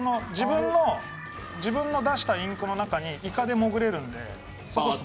自分の出したインクの中にイカで潜れます。